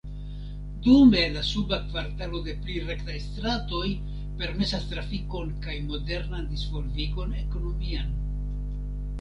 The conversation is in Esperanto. Dume la suba kvartalo de pli rektaj stratoj permesas trafikon kaj modernan disvolvigon ekonomian.